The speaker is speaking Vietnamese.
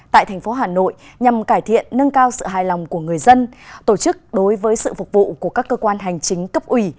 tại thành phố hà nội nhằm cải thiện nâng cao sự hài lòng của người dân tổ chức đối với sự phục vụ của các cơ quan hành chính cấp ủy